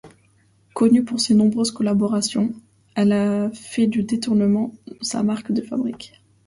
Connue pour ses nombreuses collaborations, elle a fait du détournement sa marque de fabrique.